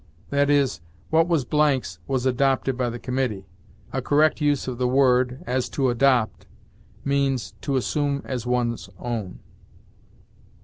That is, what was Blank's was adopted by the committee a correct use of the word, as to adopt, means, to assume as one's own.